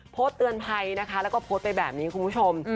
โพสต์เตือนภัยนะคะแล้วก็โพสต์ไปแบบนี้คุณผู้ชม